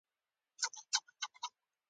هغې د نن سهار د پېښې بیان وکړ